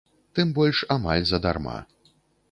Тым больш амаль задарма.